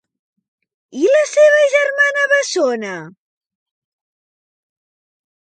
I la seva germana bessona?